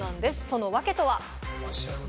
その訳とは？